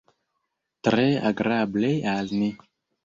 Tre agrable al ni!